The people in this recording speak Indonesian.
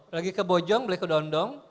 lagi ke bojong beli ke dondong